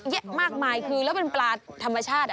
มากมายคือแล้วเป็นปลาธรรมชาติ